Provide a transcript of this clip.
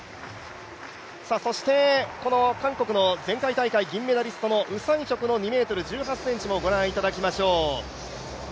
そして韓国の前回大会銀メダリストのウ・サンヒョクの２ｍ１８ｃｍもご覧いただきましょう。